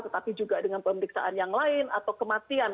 tetapi juga dengan pemeriksaan yang lain atau kematian